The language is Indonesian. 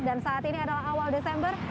dan saat ini adalah awal desember